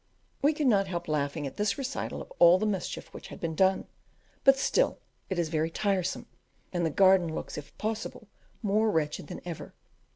We could not help laughing at the recital of all the mischief which had been done, but still it is very tiresome, and the garden looks, if possible, more wretched than ever.